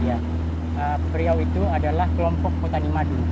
iya riau itu adalah kelompok petani madu